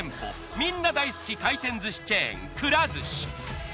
みんな大好き回転寿司チェーンくら寿司。